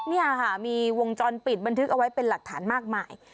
นี่ค่ะมีวงจรปิดบันทึกเอาไว้เป็นหลักฐานมากมาย